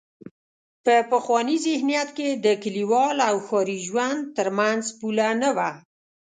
په پخواني ذهنیت کې د کلیوال او ښاري ژوند تر منځ پوله نه وه.